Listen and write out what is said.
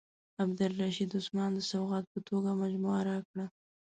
عبدالرشید عثمان د سوغات په توګه مجموعه راکړه.